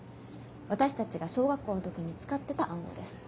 私たちが小学校の時に使ってた暗号です。